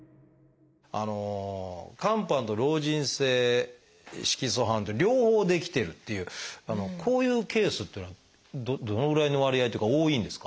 肝斑と老人性色素斑と両方出来てるっていうこういうケースっていうのはどのぐらいの割合というか多いんですか？